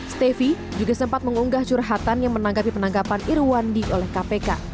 stefi juga sempat mengunggah curhatan yang menanggapi penanggapan irwandi oleh kpk